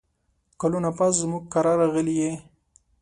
کلونه پس زموږ کره راغلې یې !